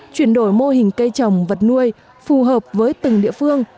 chuyển đổi mô hình cây trồng vật nuôi phù hợp với từng địa phương